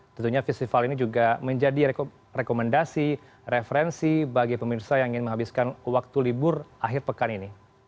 tentunya festival ini juga menjadi rekomendasi referensi bagi pemirsa yang ingin menghabiskan waktu libur akhir pekan ini